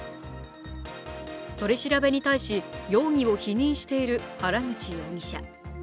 取り調べに対し容疑を否認している原口容疑者